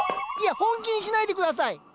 いや本気にしないで下さい。